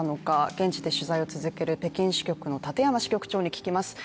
現地で取材を続ける北京支局の立山さんに聞きます。